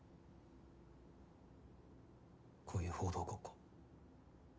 こういう報道ごっこ。